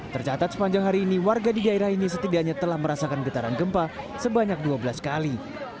tercatat sepanjang hari ini warga di daerah ini setidaknya telah merasakan getaran gempa sebanyak dua belas kali